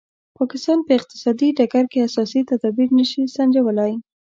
پاکستان په اقتصادي ډګر کې اساسي تدابیر نه شي سنجولای.